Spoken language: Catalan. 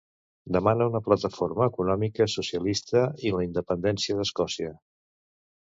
Demana una plataforma econòmica socialista i la independència d'Escòcia.